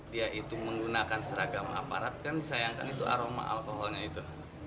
dia itu menggunakan seragam aparat kan disayangkan itu aroma alkoholnya itu